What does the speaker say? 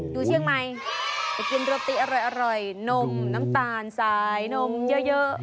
ดูเชียงใหม่ไปกินโรตีอร่อยนมน้ำตาลสายนมเยอะ